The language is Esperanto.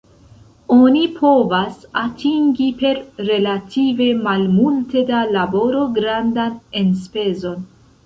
Oni povas atingi per relative malmulte da laboro grandan enspezon.